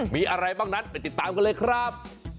มีอะไรบ้างนั้นไปติดตามกันเลยครับ